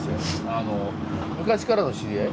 昔からの知り合い？